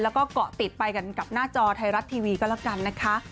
แล้วก็เกาะติดไปกันกับหน้าจอไทยรัฐทีวีก็แล้วกันนะคะ